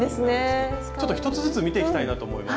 ちょっと１つずつ見ていきたいなと思います。